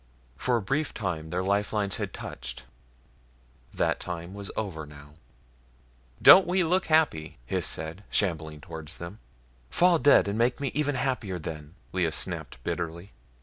For a brief time their lifelines had touched. That time was over now. "Don't we look happy!" Hys said, shambling towards them. "Fall dead and make me even happier then," Lea snapped bitterly.